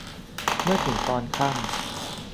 เมื่อถึงตอนค่ำ